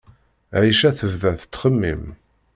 Ɛica tebda tettxemmim.